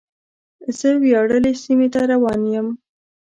زه وياړلې سیمې ته روان یم.